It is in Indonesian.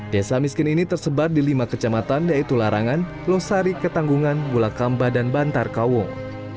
desa miskin ini tersebar di lima kecamatan yaitu larangan losari ketanggungan gulakamba dan bantarkawung